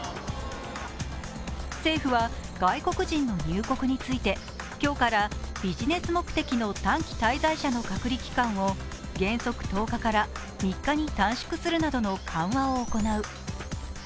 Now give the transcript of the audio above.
政府は外国人の入国について今日からビジネス目的の短期滞在者の隔離期間を原則１０日から３日に短縮するなどの緩和を行う。